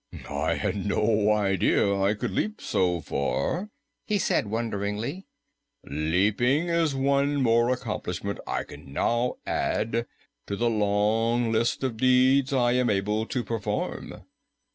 "I had no idea I could leap so far," he said wonderingly. "Leaping is one more accomplishment I can now add to the long list of deeds I am able to perform."